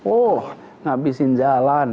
oh ngabisin jalan